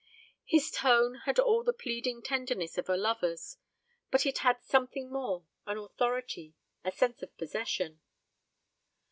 His tone had all the pleading tenderness of a lover's, but it had something more an authority, a sense of possession.